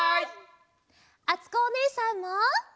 あつこおねえさんも！